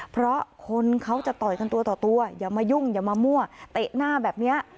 เพราะคนเขาจะต่อยกันตัวต่อตัวอย่ามายุ่งอย่ามามั่วเตะหน้าแบบนี้